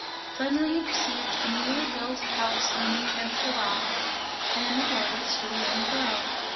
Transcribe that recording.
Suddenly he perceived a newly built house leaning against the rocks and in the doorway stood a young girl.